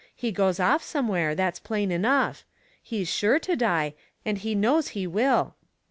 He goes off somewhere, that's plain enough ; he's sure to die, and he knows he will.